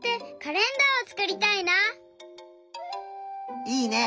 いいね！